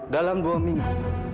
dalam dua minggu